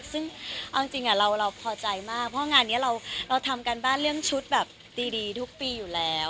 ซึ่งเอาจริงเราพอใจมากเพราะงานนี้เราทำการบ้านเรื่องชุดแบบดีทุกปีอยู่แล้ว